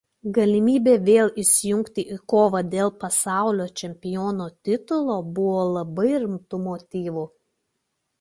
Galimybė vėl įsijungti į kovą dėl pasaulio čempiono titulo buvo labai rimtu motyvu.